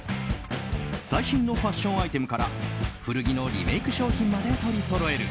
最新のファッションアイテムから古着のリメイク商品まで取りそろえる